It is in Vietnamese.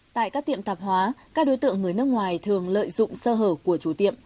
tại các tiệm tạp hóa các đối tượng người nước ngoài thường lợi dụng sơ hở của chủ tiệm